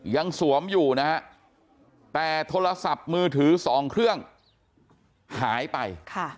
สวมอยู่นะฮะแต่โทรศัพท์มือถือ๒เครื่องหายไป